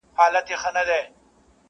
او درد د حقيقت برخه ده,